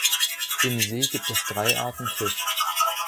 Im See gibt es drei Arten Fisch.